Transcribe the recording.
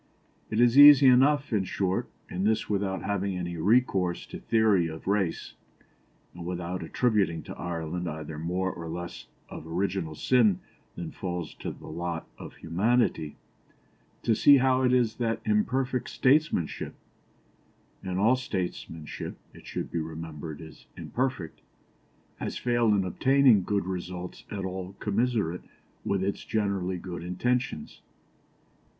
It is easy enough, in short, and this without having any recourse to theory of race, and without attributing to Ireland either more or less of original sin than falls to the lot of humanity, to see how it is that imperfect statesmanship and all statesmanship, it should be remembered, is imperfect has failed in obtaining good results at all commensurate with its generally good intentions.